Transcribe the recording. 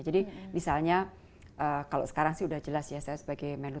jadi misalnya kalau sekarang sih sudah jelas ya saya sebagai melu